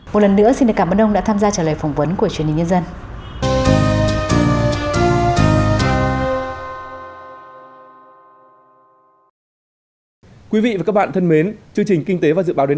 một lần nữa xin cảm ơn ông đã tham gia trả lời phỏng vấn của chuyên nhìn nhân dân